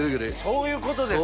そういうことですか？